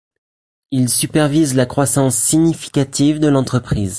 Il supervise la croissance significative de l'entreprise.